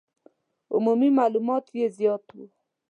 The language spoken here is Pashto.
عمومي معلومات یې زیات وو.